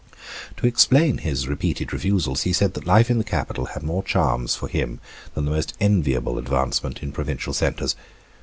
To explain his repeated refusals, he said that life in the capital had more charms for him than the most enviable advancement in provincial centres.